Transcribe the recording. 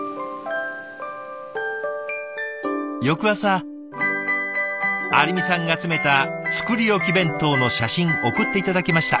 翌朝有美さんが詰めた作り置き弁当の写真送って頂きました。